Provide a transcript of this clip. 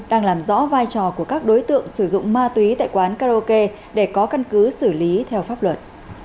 đang làm rõ vai trò của các đối tượng sử dụng ma túy tại quán karaoke để có căn cứ xử lý theo pháp luật